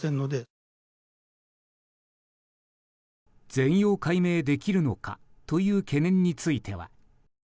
全容解明できるのかという懸念については。